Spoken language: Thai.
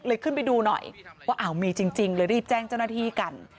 ขึ้นไปดูหน่อยว่าอ้าวมีจริงเลยรีบแจ้งเจ้าหน้าที่กัน